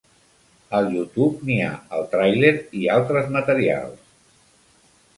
Al YouTube n'hi ha el tràiler i altres materials.